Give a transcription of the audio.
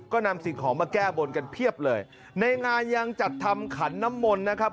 ก็นำสิ่งของมาแก้บนกันเพียบเลยในงานยังจัดทำขันน้ำมนต์นะครับ